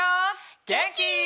げんき？